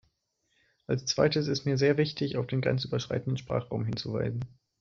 Als zweites ist mir sehr wichtig, auf den grenzüberschreitenden Sprachraum hinzuweisen.